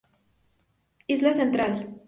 Isla central.